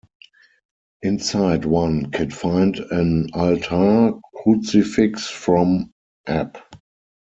Inside one can find an altar crucifix from ab.